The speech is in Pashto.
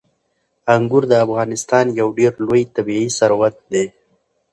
انګور د افغانستان یو ډېر لوی طبعي ثروت دی.